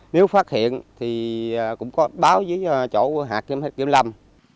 nếu phát hiện thì cũng có báo với chỗ hạt kiểm lâm